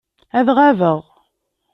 Ad ɣabeɣ.